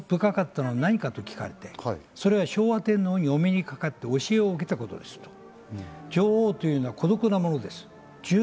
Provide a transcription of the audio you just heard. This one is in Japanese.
今度で一番印象深かったのは何かと聞かれて、それは昭和天皇にお目にかかって教えを受けたことですと、女王というのは孤独なものです。